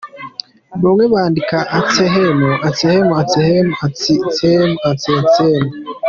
Bamwe bandika Ansehelm, Anselma, Anselmi, Anssi, Anselme , Anselmo , Anshel.